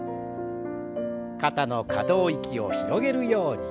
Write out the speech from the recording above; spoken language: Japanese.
肩の可動域を広げるように。